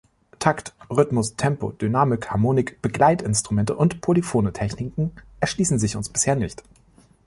Takt, Rhythmus, Tempo, Dynamik, Harmonik, Begleitinstrumente und polyphone Techniken erschließen sich uns bisher nicht.